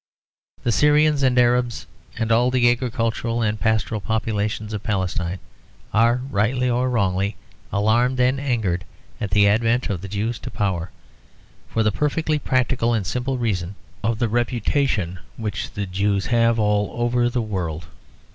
The Syrians and Arabs and all the agricultural and pastoral populations of Palestine are, rightly or wrongly, alarmed and angered at the advent of the Jews to power; for the perfectly practical and simple reason of the reputation which the Jews have all over the world.